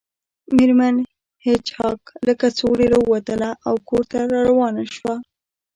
میرمن هیج هاګ له کڅوړې راووتله او کور ته روانه شوه